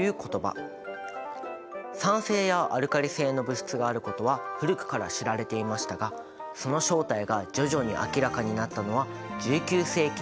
酸性やアルカリ性の物質があることは古くから知られていましたがその正体が徐々に明らかになったのは１９世紀になってからでした。